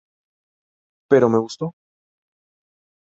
Pero me gustó".